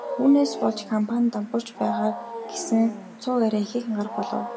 Үүнээс болж компани нь дампуурч байгаа гэсэн цуу яриа ихээхэн гарах болов.